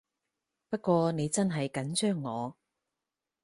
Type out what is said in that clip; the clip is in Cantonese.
不過你真係緊張我